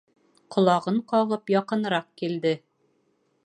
Ҡолағын ҡағып, яҡыныраҡ килде.